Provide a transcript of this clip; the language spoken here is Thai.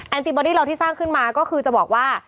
ติบอดี้เราที่สร้างขึ้นมาก็คือจะบอกว่า